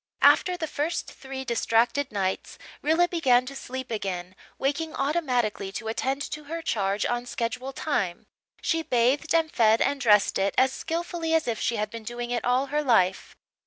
After the first three distracted nights Rilla began to sleep again, waking automatically to attend to her charge on schedule time. She bathed and fed and dressed it as skilfully as if she had been doing it all her life.